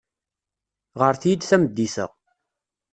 Ɣret-iyi-d tameddit-a.